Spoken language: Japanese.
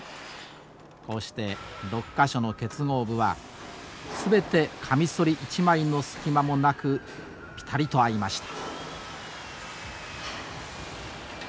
こうして６か所の結合部は全てかみそり一枚の隙間もなくピタリと合いました。